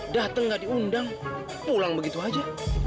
datang gak diundang pulang begitu aja